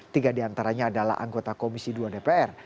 tiga diantaranya adalah anggota komisi dua dpr